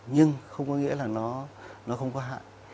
nhưng không có nghĩa là nó không có hại